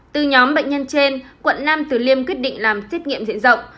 từ nhóm bệnh nhân trên quận năm từ liêm quyết định làm xét nghiệm diện rộng